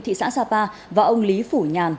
thị xã sapa và ông lý phủ nhàn